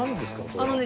あのね